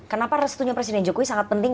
kenapa restunya presiden jokowi sangat penting